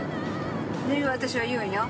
私は言うんよ。